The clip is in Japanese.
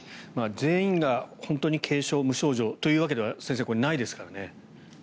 全員が本当に軽症・無症状というわけでは先生、ないですからね。